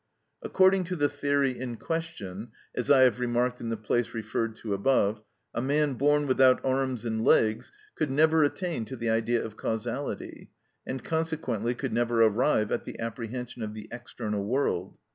According to the theory in question (as I have remarked in the place referred to above), a man born without arms and legs could never attain to the idea of causality, and consequently could never arrive at the apprehension of the external world.